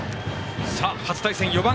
初対戦、４番。